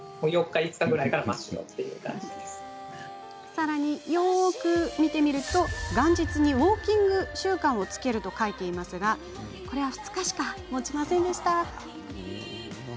さらに、よく見てみると元日にウォーキング習慣をつけると書いていますが、なんとこれは２日しかもちませんでした。